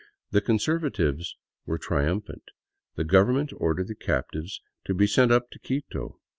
The Conservatives were trium phant. The Government ordered the captives to be sent up to Quito.